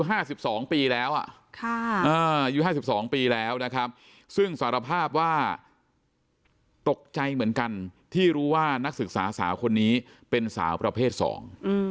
อายุ๕๒ปีแล้วซึ่งสารภาพว่าตกใจเหมือนกันที่รู้ว่านักศึกษาสาวคนนี้เป็นสาวประเภทสอง